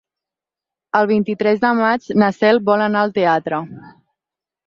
El vint-i-tres de maig na Cel vol anar al teatre.